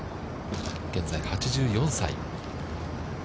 現在８４歳。